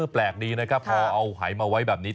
แปลกดีนะครับพอเอาหายมาไว้แบบนี้